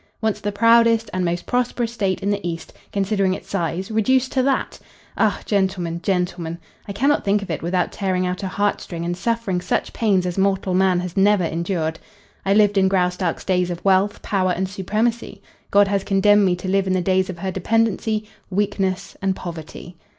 Once the proudest and most prosperous state in the east, considering its size, reduced to that! Ach, gentlemen gentlemen! I cannot think of it without tearing out a heart string and suffering such pains as mortal man has never endured. I lived in Graustark's days of wealth, power and supremacy; God has condemned me to live in the days of her dependency, weakness and poverty.